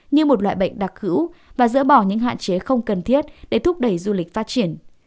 như một loại bệnh đặc hữu và dỡ bỏ những hạn chế không cần thiết để thúc đẩy du lịch phát triển